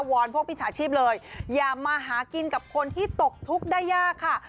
อนพวกมิจฉาชีพเลยอย่ามาหากินกับคนที่ตกทุกข์ได้ยากค่ะ